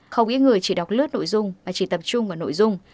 không ít người chỉ đọc lướt nội dung mà chỉ tập trung vào nội dung